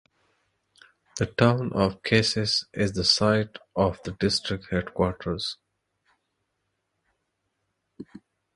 The town of Kasese is the site of the district headquarters.